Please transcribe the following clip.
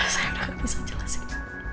saya udah gak bisa jelasin